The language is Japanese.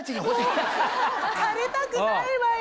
枯れたくないわよ！